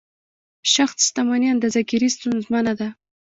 شخص شتمني اندازه ګیري ستونزمنه ده.